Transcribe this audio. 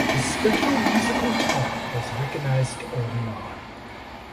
His special musical talent was recognized early on.